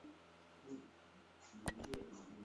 Mimba kutoka miongoni mwa wanyama jike